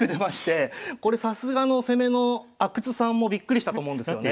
これさすがの攻めの阿久津さんもびっくりしたと思うんですよね。